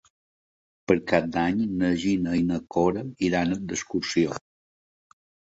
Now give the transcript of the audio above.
Per Cap d'Any na Gina i na Cora iran d'excursió.